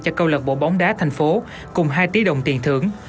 cho câu lạc bộ bóng đá thành phố cùng hai tỷ đồng tiền thưởng